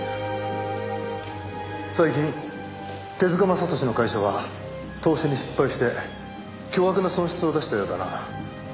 最近手塚正敏の会社は投資に失敗して巨額な損失を出したようだな。